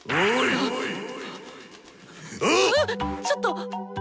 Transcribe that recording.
ちょっと。